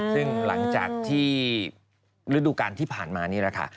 ซึ่งหลังจากที่ฤดูการที่ผ่านมานี่แหละค่ะ